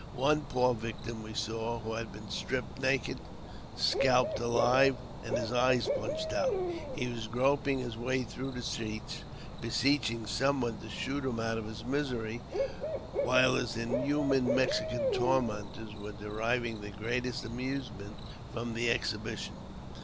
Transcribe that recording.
One poor victim we saw, who had been stripped naked, scalped alive, and his eyes punched out : he was groping his way throught the streets, beseeching some one to shoot him out of his misery, while his inhuman Mexican tormentors were deriving the greatest amusement from the exhibition.